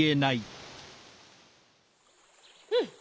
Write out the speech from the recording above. うん！